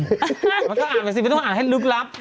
มันก็อ่าวอย่างนี้ระหว่างให้ลูกรับ